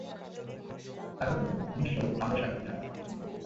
তারা বলল, নিশ্চয়ই, আমরা সাক্ষী থাকলাম।